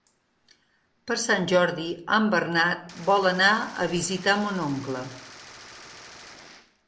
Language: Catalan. Per Sant Jordi en Bernat vol anar a visitar mon oncle.